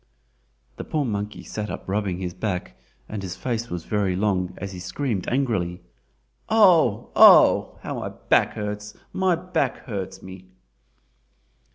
The poor monkey sat up rubbing his back, and his face was very long as he screamed angrily. "Oh, oh! how my back hurts—my back hurts me!"